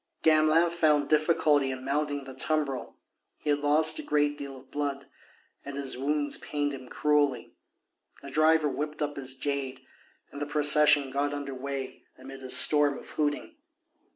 Gamelin found difficulty in mounting the tumbril; he had lost a great deal of blood and his wounds pained him cruelly. The driver whipped up his jade and the procession got under way amid a storm of hooting.